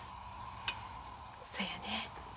そやね。